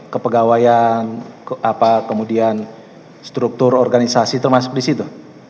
kepegawaian kemudian struktur organisasi termasuk di situ